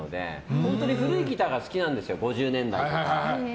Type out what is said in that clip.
本当に古いギターが好きなんですよ、５０年代とか。